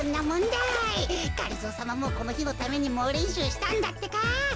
がりぞーさまもこのひのためにもうれんしゅうしたんだってか。